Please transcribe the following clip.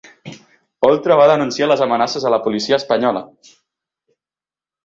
Oltra va denunciar les amenaces a la policia espanyola